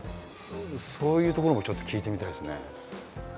そういうところもちょっと聞いてみたいですね。